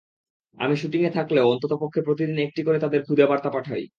আমি শুটিংয়ে থাকলেও অন্ততপক্ষে প্রতিদিন একটি করে তাদের খুদে বার্তা পাঠাই।